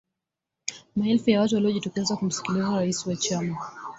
Maelfu ya watu waliojitokeza kumsikiliza rais wa chama